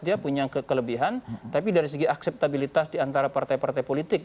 dia punya kelebihan tapi dari segi akseptabilitas di antara partai partai politik